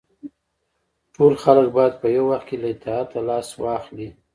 ټول خلک باید په یو وخت له اطاعت لاس واخلي.